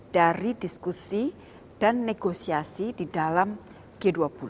dari diskusi dan negosiasi di dalam g dua puluh